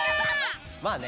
まあね。